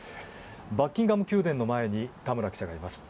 バッキンガム宮殿の前に田村記者がいます。